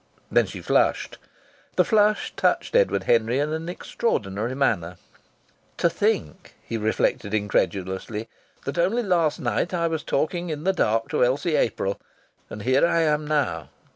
Then she flushed. The flush touched Edward Henry in an extraordinary manner. ("To think," he reflected incredulously, "that only last night I was talking in the dark to Elsie April and here I am now!"